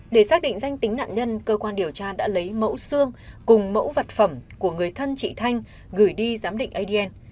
để xác định danh tính nạn nhân cơ quan điều tra đã lấy mẫu xương cùng mẫu vật phẩm của người thân chị thanh gửi đi giám định adn